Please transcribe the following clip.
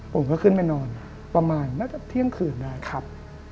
ผมก็ขึ้นไปนอนประมาณน่าจะเที่ยงคืนได้ครับ